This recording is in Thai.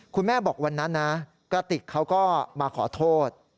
คุณแม่บอกวันนั้นนะกระติกเขาก็มาขอโทษ